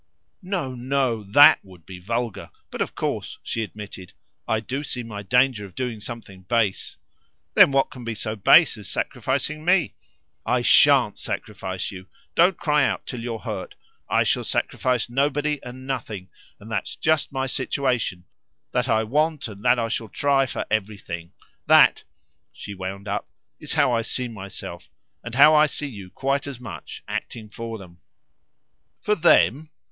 "No, no, THAT would be vulgar. But of course," she admitted, "I do see my danger of doing something base." "Then what can be so base as sacrificing me?" "I SHAN'T sacrifice you. Don't cry out till you're hurt. I shall sacrifice nobody and nothing, and that's just my situation, that I want and that I shall try for everything. That," she wound up, "is how I see myself (and how I see you quite as much) acting for them." "For 'them'?"